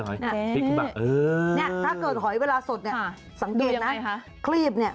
เนี่ยถ้าหอยเวลาสด๑๙๔๙สังเกตเนี่ยครีมเนี่ย